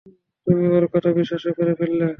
তুমি ওর কথা বিশ্বাসও করে ফেললে।